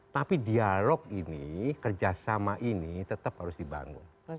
tapi dialog ini kerjasama ini tetap harus dibangun